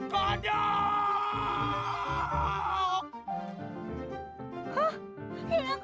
hah ayang ariel aduh